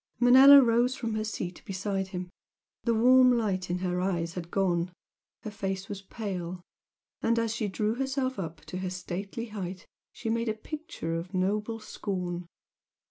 Manella rose from her seat beside him. The warm light in her eyes had gone her face was pale, and as she drew herself up to her stately height she made a picture of noble scorn.